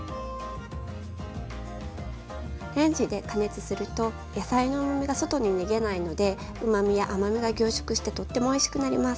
レンジで加熱すると野菜のうまみが外に逃げないのでうまみや甘みが凝縮してとってもおいしくなります。